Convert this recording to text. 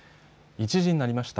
１時になりました。